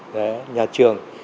đấy nhà trường